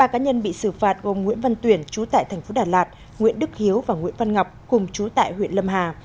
ba cá nhân bị xử phạt gồm nguyễn văn tuyển chú tại thành phố đà lạt nguyễn đức hiếu và nguyễn văn ngọc cùng chú tại huyện lâm hà